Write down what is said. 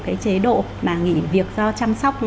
cái chế độ mà nghỉ việc do chăm sóc